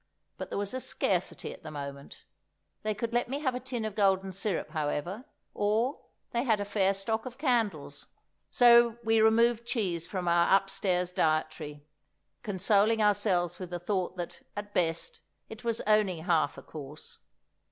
but there was a scarcity at the moment; they could let me have a tin of golden syrup, however, or, they had a fair stock of candles. So we removed cheese from our upstairs dietary, consoling ourselves with the thought that, at best, it was only half a course.